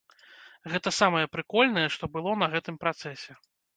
Гэта самае прыкольнае, што было на гэтым працэсе.